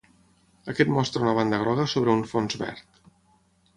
Aquest mostra una banda groga sobre un fons verd.